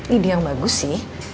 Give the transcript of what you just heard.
ini dia yang bagus sih